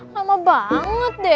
lama banget deh